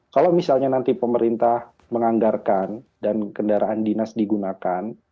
kalau misalnya nanti pemerintah menganggarkan dan kendaraan dinas digunakan